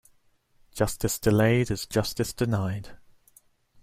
Justice delayed is justice denied.